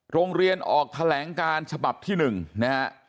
โรงเรียนออกแถลงการฉบับที่๑นะฮะ